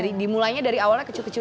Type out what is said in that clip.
pintunya kita semua planet kecil